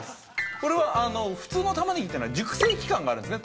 これは普通の玉ねぎっていうのは熟成期間があるんですね。